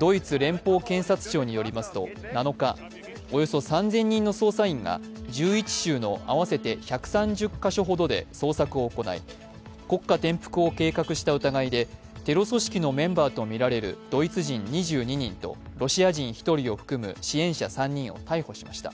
ドイツ連邦検察庁によりますと、７日、およそ３０００人の捜査員が１１州の合わせて１３０か所ほどで捜索を行い国家転覆を計画した疑いでテロ組織のメンバーとみられるドイツ人２２人とロシア人１人を含む支援者３人を逮捕しました。